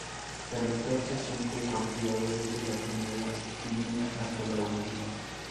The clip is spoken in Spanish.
El lector se siente cautivado desde la primera línea hasta la última.